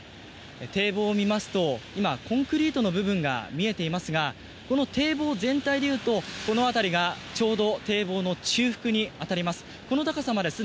堤防を見ますと今、コンクリートの部分が見えていますがこの堤防全体でいうとこの辺りがちょうど堤防の中腹に当たります。